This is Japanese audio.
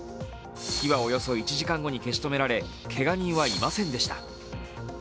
火はおよそ１時間後に消し止められけが人はいませんでした。